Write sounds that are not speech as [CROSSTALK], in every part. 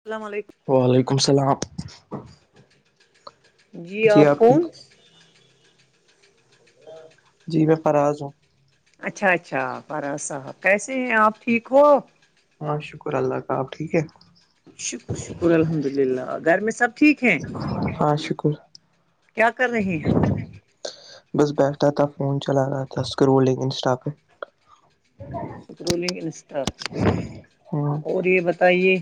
السلام علیکم وعلیکم السلام جی آپ ٹھیک جی میں فراز ہوں اچھا اچھا فارا صاحب کیسے ہیں آپ ٹھیک ہو ہاں شکر اللہ کا آب ٹھیک ہے شکر شکر الحمد للہ گھر میں سب ٹھیک ہیں ہاں شکر کیا کر رہے ہیں بس بیٹھا تھا فون چلا رہا تھا اسکرولنگ انسٹا پہ سکرولنگ انسٹاف ہے ہاں اور یہ بتائیے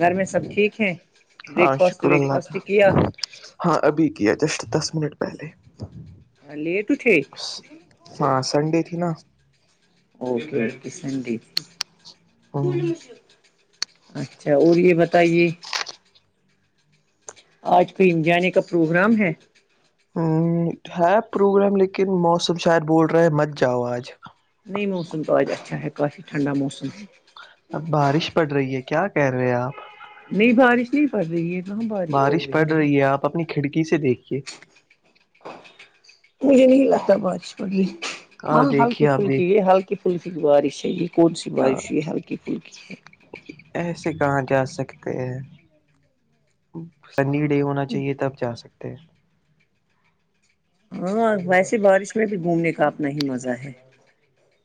گھر میں سب ٹھیک ہے ہاں بریک فاسٹ شکر ویک اللہ کا فاسٹ کیا ہاں ابھی کیا جسٹ دس منٹ پہلے لیٹ اٹھ ہاں سنڈے تی نہا اوکےکی سنڈے ہاں اچھا اور یہ بتائیے آج کو ان جانے کا پروگرام ہے ہے پروگرام لیکن موسم شاید بول رہے مت جاؤ آج نہیں موسم تو آج اچھا ہے کافی ٹھنڈا موسم ہے اب بارش پڑ رہی ہے کیا کہہ رہے آپ نہیں بارش نہیں پڑ رہی ہے تواں بارش پڑ رہی ہے اپنی کھڑکی سے دیکھیے مجھے نہیں لگتا بارش پڑی ہاں ہلکی دیکھیے آپ پھلکی دیکھ یہ ہلکی کہ پھلک بارش ہے یہ کون سی بارش ہو یہ ہلکی پھلکی ہے ایسے کہاں جا سکتے ہیں سنڈی ڈے ہونا چاہیے تب جا سکتے ہیں ہاں ویسے بارش میں بھی گھومنے کا اپنا ہی مزہ ہے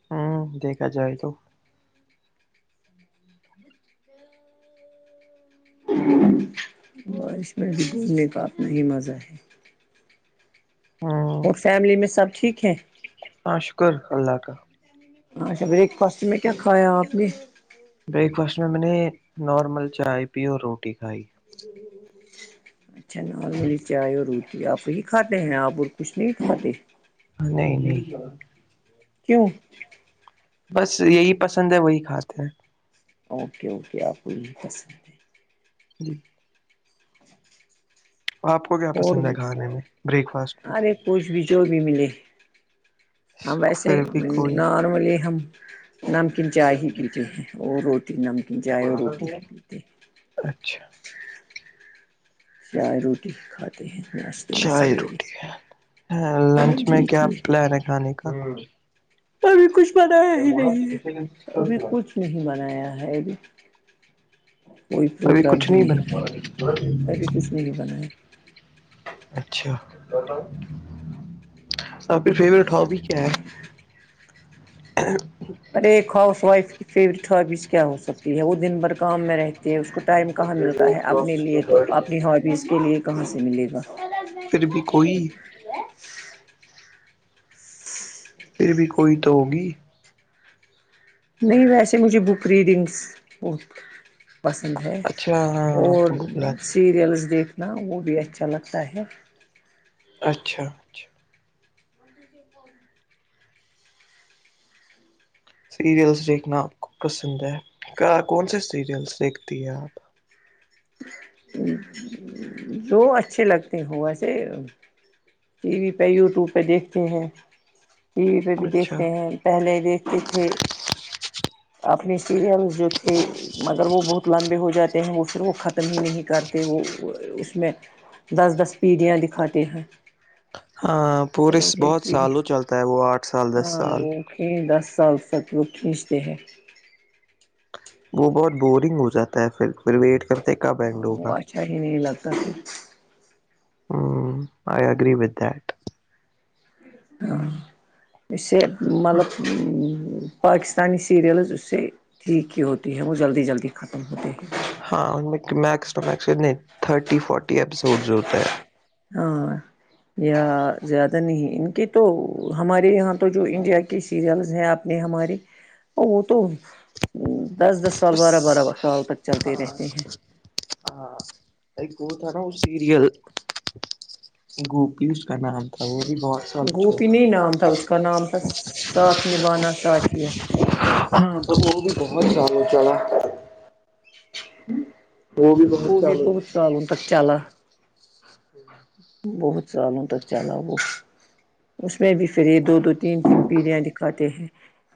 ہوں دیکھا جائے تو ج اور اس میں بھی گھومنے کا اپنا ہی مزہ ہے ہ اور فیملی میں سب ٹھیک ہے ہاں شکر اللہ کا اچھا بریک فاسٹ میں کیا کھایا آپ نے بریک فاسٹ میں میں نے نارمل چائے پی اور روٹی کھائی جی اچھا نارملی چائے اور روٹی آپ ہی کھاتے ہیں آپ اور کچھ نہیں کھاتے نہیں نہیں کیوں بس یہی پسند ہے وہی کھاتے ہیں اوکے اوکے آپ کو یہ پسند جی آپ کو کیا اور پسند ہے کھانے میں بریک فاسٹ میں ارے کچھ بھی جو بھی ملے ہم ویسے پھر بھی کوئی نارملی ہم نمکین چائے ہی پیتے ہیں اور روٹی نمکین چائے اور روٹی ہی پیتے ہیں اچھا چائے روٹی کھاتے ہیں میں چائے سویرے روٹی ہے لنچ میں جی کیا جی پلان ہے کھانے کا ابھی کچھ منایا ہی نہیں ہے ابھی کچھ نہیں منایا ہے ابھی کوئی ابھی پروگرام کچھ ہی نہیں ہے بنا ایبھی کچھ نہیں بنایا اچھا آھر فیورٹ ہابی کیا ہے ہ ارے ایک ہاؤس وائف کی فیوریٹ ہابیز کیا ہو سکتی ہے وہ دن بھر کام میں رہتی کہ اس کو ٹائم کہاں ملتا ہے اپنے لیے تو اپنی ہابیز کے لیے کہاں سے ملے گا پھر بھی کوئی پھر بھی کوئی تو ہوگی نہیں ویسے مجھے بک ریڈنگس پسند ہے اچھا ہاں آپ اور نے کو بلا سیریلس دیکھنا وہ بھی اچھا لگتا ہے اچھا اچھا ج سیریلس دیکھنا آپ کو پسند ہے کون سے سیریلس دیکھتی ہے آپ جو اچھے لگتے ہو ویسے ٹی وی پہ یوٹیوب پہ دیکھتے ہیں ٹی وی پہ بھی اچھا دیکھتے ہیں پہلے دیکھتے تھے اپنے سیریلس جو تھے مگر وہ بہت لمبے ہو جاتے ہیں وہ پھر وہ ختم ختم ہی نہیں کرتے وہ اس میں دس دس پیڑیاں دکھاتے ہیں ہاں پورے ایک ایک بہت پیڑھی سالوں چلتا ہے وہ آٹھ سال دس سال ک دس سال فکرپ کھینچتے ہیں وہ بہت بورنگ ہو جاتا ہے پھر پھر ویٹ کرتے کب ہاں اینڈ وہ ہوگا اچھا ہی نہیں لگتا ہوں آئی اگری ب ہے [INAUDIBLE] ہ اسے مطلب پاکستانی سیریلز اس سے ٹھیکھی ہوتی ہے وہ جلدی جلدی ختم ہوتے ہیں ہاں ان میکس ٹ مس نہیں تھرٹی فورٹی اییسوڈز ہوتا ہے ہاں یا زیادہ نہیں ان کی تو ہمارے یہاں تو جو انڈیا کی سیریلس ہیں آپ اپنے ہمارے تو وہ تو دس دس سال بارہ بارہ سال تک ہاں چلتے رہتے ہیں ہاں لک وہتا نا سیریل گوپی اس کا نام پ بھی بہت سال [INAUDIBLE] گوپی نہیں نام تھا اس کا نام تھا ساتھ نبھانا ساتھیا ہ تو وہ بھی بہت شیا چا [INAUDIBLE] وہ بھی بہت چالو بہت سالوں تک چلا ج ہے [INAUDIBLE] بہت سالوں تک چلا وہ اس میں بھی پھر یہ دو دو تین تین پیھیاں دکھاتے ہیں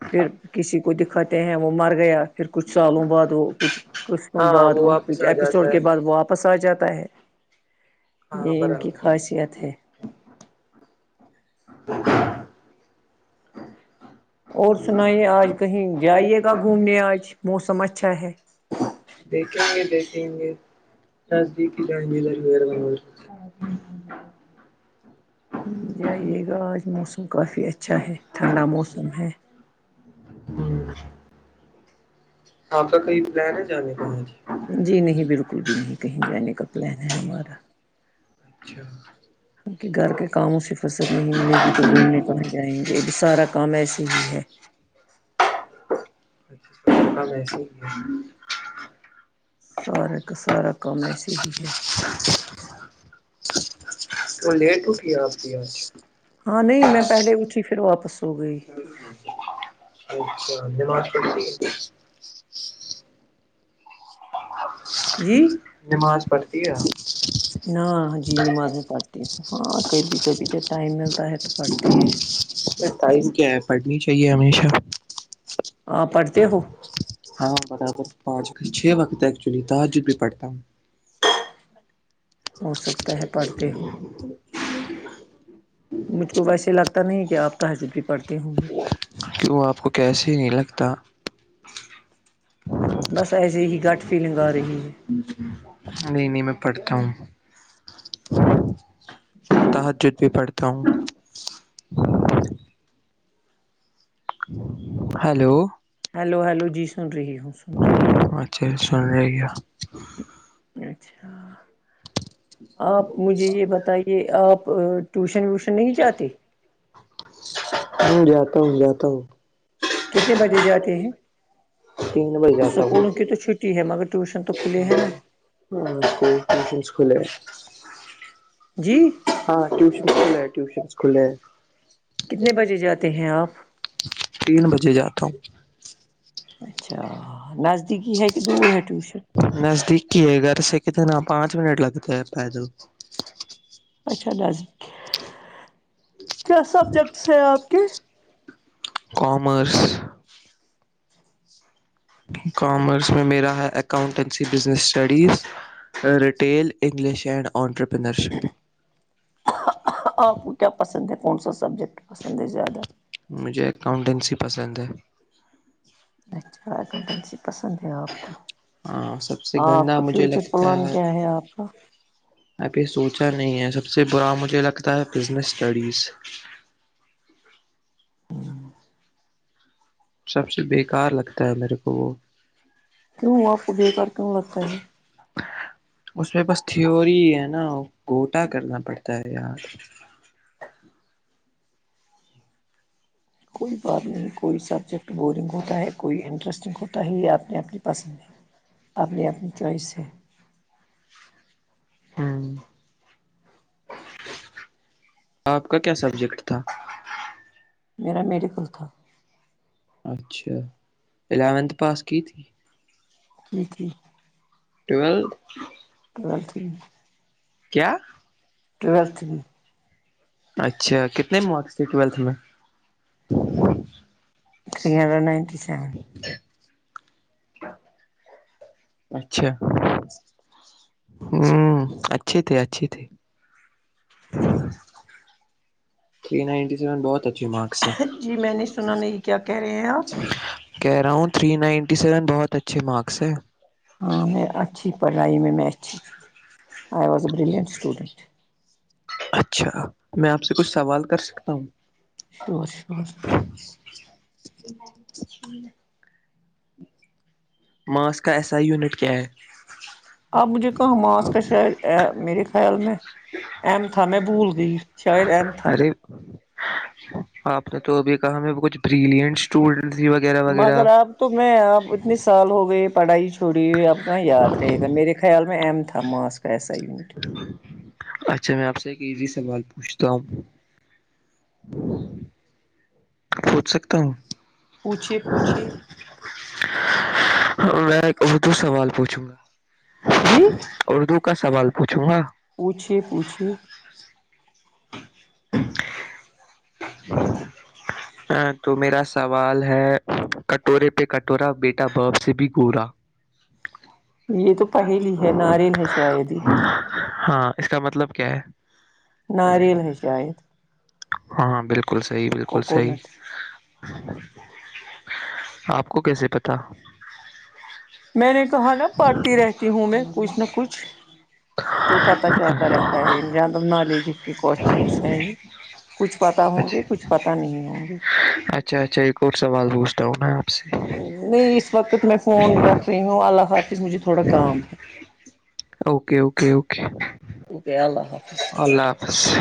پھر کسی کو دکھاتے ہیں وہ مر گیا پھر کچھ سالوں بعد وہ کچھ کچھ تو ہاں بعد وہ واپس کچھ آ جاتا اپپیسوڈ کے ہے بعد واپس آ جاتا ہے یہ ہاں ان کی برابر خاصیت ہے اور سنائیے آج کہیں جائیے گا گھومنے آج موسم اچھا ہے دیکھیں گے دیکھیں گے نزدیکی ججیلر وغیرہیرہ جئیے گا آج موسم کافی اچھا ہے ٹھنڈا موسم ہے آپ کا کہئی پلان ہے جانے کا ماں ج [INAUDIBLE] کو بھی نہیں کہیں جانے کا پلان ہے ہمارا [INAUDIBLE] اچچھا [INAUDIBLE] کہ گھر کے کاموں سے فصد نہیں ملے گی تو گھومنے کہاں جائیں گے سارا کام ایسے ہی ہے ہ [INAUDIBLE] ایسیے ہی [INAUDIBLE] سارا کا سارا کام ایسے ہی ہے وہ لیٹ اٹھی ہے آپ کی آج ہاں نہیں میں پہلے م [INAUDIBLE] اٹھی پھر واپس سو گئی اچھااات پ [INAUDIBLE] [INAUDIBLE] [UNINTELLIGIBLE] نماز پڑھتی ہے نہ جی نماز میں پڑھتی ہ ہاں کبھی کبھی جب ٹائم ملتا ہے تو پڑھتی ہیں ب ٹائم کیا ہے پڑھنی چاہیے ہمیشہ آپ پڑھتے ہو ہاں برابر پانچ چھ وقت ایکچولی تج بھی پڑتا ہوں ہو سکتا ہے پڑھتے ہوں مجھ کو ویسے لگتا نہیں کہ آپ تحجد بھی پڑتے ہوں گے کیوں آپ کو کیسے ہی نہیں لگتا بس ایسے ہی گٹ فیلنگ آ رہی ہے نہیں نہیں میں پڑھتا ہوں تحجد بھی پڑھتا ہوں ہیلو ہیلو ہلو جی سن رہی ہوں سن رہی ہوں چ سنے گیا اچھا آپ مجھے یہ بتائی یہ آپ ٹیوشن ویوشن نہیں جاتے ہ جاتا ہوں جاتا ہوں کتنے بجے جاتے ہیں تین بجے جاتا ہوں اسکولوں کی تو چھٹی ہے مگر ٹیوشن تو کھلی ہے نا اسکول ٹیوشن کھلے ہیں جی ہاں ٹیوشن کل ہے ٹیشنس کھلے ہیں کتنے بجے جاتے ہیں آپ تین بجے جاتا ہوں اچھا نزدیکی ہے کہ دور ہے ٹیوشن نزدیک کی ہے گھر سے کتنا پانچ منٹ لگتے ہیں پیدل اچھا نازر کیا سبجیکٹس ہیں آپ کے کامرس کامرس میں میرا ہے accountancy business studies retail English and entrepreneurship آپ کیا پسند ہے کون سا سبجیکٹ پسند ہے زیادہ مجھے اکاؤنٹینسی پسند ہے اچھا اکاؤنٹینسی پسند ہے آپ کو ہاں سب سے آپ گندا کا مجھے فیوچر پلان کیا ہے آپ کا اب یہ سوچا نہیں ہے سب سے برا مجھے لگتا ہے بزنس اسٹڈیز [UNINTELLIGIBLE] سب سے بیکار لگتا ہے میرے کو وہ کیوں وہ آپ کو بےیکار کیوں لگتا ہے اس پ بس تھیوری ہے نا گوٹا کرنا پڑتا ہے یار کوئی بات نہیں کوئی سبجیکٹ بورنگ ہوتا ہے کوئی انٹرسٹنگ ہو تا ہی آپ نے اپنی پسند ہے آپ نے اپنی چوائس ہے ہ آپ کا کیا سبجیکٹ تھا میرا میڈیکل تھا اچھا الیونتھ پاس کی تھی [UNINTELLIGIBLE] ٹویلت چل ٹھیک کیا ٹویلت اچھا کتنے مارکس تھے ٹویلتھ میں تھری ہنڈریڈ نائنٹی سیون ا اچھا ہوں اچھی تھی اچھی تھی ہ تھری نائنٹی سیون بہت اچھی مارکس ہے جی میں نے سنا نہیں کیا کہہ رہے ہیں آپ کہہ رہا ہوں تھری نائنٹی سیون بہت اچھے مارکس ہیں ہاں میں اچھی پڑھائی میں میں اچھی تھی I was a brilliant student اچھا میں آپ سے کچھ سوال کر سکتا ہوں شور شور [INAUDIBLE] جی ماس کا ایسا یونٹ کیا ہے آپ تو مجھے کہاں ماس م کا ج شاید میرے خیال میں ایم تھا میں بھول گئی شاید ایم تھا ارے آپ نے تو بھی کہا میں کچھ بریلین اسٹول وغیرہ وغیرہ مگر آپ تو میں آپ اتنے سال ہو گئے پڑھائی چھوڑی ہوئی اپ کہاں یاد رہے گا میرے خیال میں ایم تھا ماس کا ایسا یونٹ اچھا میں آپ سے ایک ایی سوال پوچھتا ہوں پوچھ سکتا ہوں پوچھیے پوچھیے میں وہ تو سوال پوچھوں گا جی اردو کا سوال پوچھوں گا پوچے پوچے [INAUDIBLE] ہ تو میرا سوال ہے کٹورے پہ کٹورا بیٹا بب سے بھی گورا [INAUDIBLE] یہ تو پہلی ہے ناریل ہے شاید ہی ہاں اس کا مطلب کیا ہے ناریل ہے شاید ہاں بالکل صحی بالکل سی کوکونٹ آپ کو کیسے پتا میں نے کہا نا پڑھتی رہتی ہوں میں کچھ نہ کچھ تو پتا چلتا رہتا ہے ان جان نالج کے کوشنس ہیں ہی کچھ پتا ہوں گے اچھا کچھ پتا نہیں ہوں گے اچھا اچھا یہ کوٹ سوال پوچھتا ہوں میں سے نہیں اس وقت میں فون رکھ رہی ہوں اللہ حافظ مجھے تھوڑا کام ہے اوکے اوکے اوکے اکے اللہ حافظ اسس